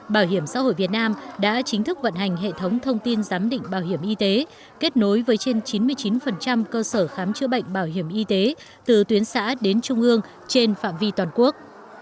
bảo hiểm xã hội việt nam đã chính thức vận hành hệ thống thông tin giám định bảo hiểm y tế kết nối với trên chín mươi chín cơ sở khám chữa bệnh bảo hiểm y tế từ tuyến xã đến trung ương trên phạm vi toàn quốc